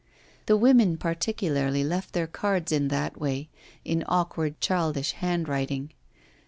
The women particularly left their cards in that way, in awkward, childish handwriting.